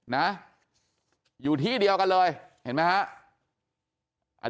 นะอยู่ที่เดียวกันเลยเห็นไหมฮะ